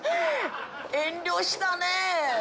遠慮したね。